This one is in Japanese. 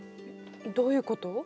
どういうこと？